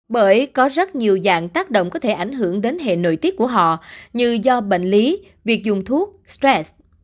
bởi có rất nhiều dạng tác động có thể ảnh hưởng đến hệ nội tiết của họ như do bệnh lý việc dùng thuốc stress